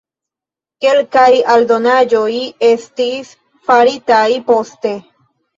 Kelkaj aldonaĵoj estis faritaj poste.